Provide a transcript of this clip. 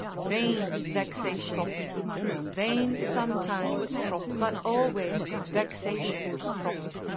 Vain vexations; vain sometimes, but always vexations.